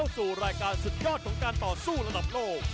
สุดยอดของการต่อสู้ระดับโหล